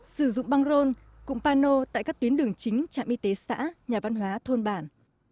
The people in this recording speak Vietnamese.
sử dụng băng rôn cụm pano tại các tuyến đường chính trạm y tế xã nhà văn hóa thôn bản